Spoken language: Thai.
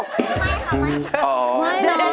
ไม่ค่ะไม่ค่ะ